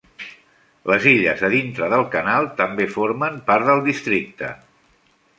Les illes a dintre del canal també formen part del districte.